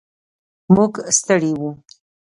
موږ ستړي و.